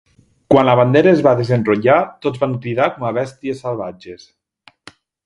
Quan la bandera es va desenrotllar, tots van cridar com a bèsties salvatges.